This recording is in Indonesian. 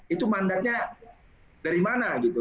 itu mandatnya dari mana gitu